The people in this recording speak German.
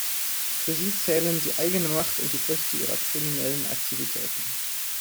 Für sie zählen die eigene Macht und die Früchte ihrer kriminellen Aktivitäten.